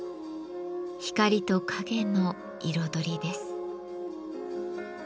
光と陰の彩りです。